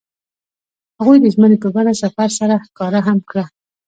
هغوی د ژمنې په بڼه سفر سره ښکاره هم کړه.